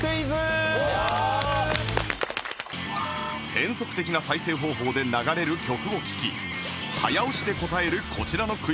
変則的な再生方法で流れる曲を聴き早押しで答えるこちらのクイズ